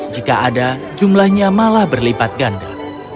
jika ada jumlahnya malah berlipat ganda